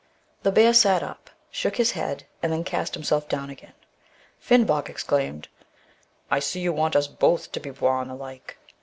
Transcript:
'* The bear sat up, shook his head, and then cast himself down again. " Finnbog exclaimed, * I see, you want us both to be boune alike !